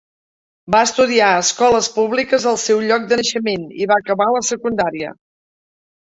Va estudiar a escoles públiques al seu lloc de naixement, i va acabar la secundària.